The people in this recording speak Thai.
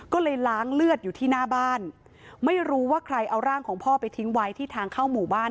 ก็เลยล้างเลือดอยู่ที่หน้าบ้านไม่รู้ว่าใครเอาร่างของพ่อไปทิ้งไว้ที่ทางเข้าหมู่บ้าน